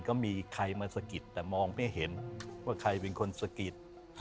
ก็มีใครมาสะกิดแต่มองไม่เห็นว่าใครเป็นคนสะกิด